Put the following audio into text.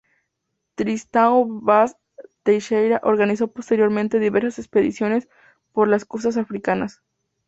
Tristão Vaz Teixeira organizó posteriormente diversas expediciones por las costas africanas.